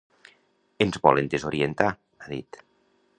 Ens volen desorientar, ha dit.